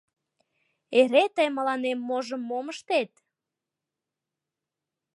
Эре тый мыланем можым мом ыштет!..